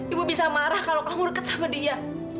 ibu bisa marah kalau kamu deket sama dia